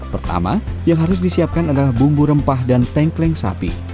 pertama yang harus disiapkan adalah bumbu rempah dan tengkleng sapi